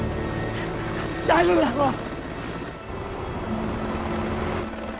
大丈夫だもう